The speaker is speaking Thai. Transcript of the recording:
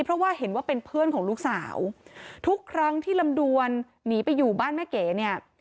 เพราะว่าเห็นว่าเป็นเพื่อนของลูกสาวทุกครั้งที่ลำดวนหนีไปอยู่บ้านแม่เก๋เนี่ย